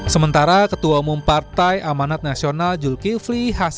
sementara ketua umum partai amanat nasional zulkifli hasan